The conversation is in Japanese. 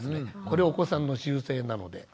これお子さんの習性なので。